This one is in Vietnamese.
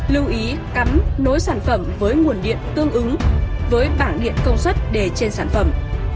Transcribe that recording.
lưu ý cắm nối sản phẩm với nguồn điện tương ứng với bảng điện công suất để trên sản phẩm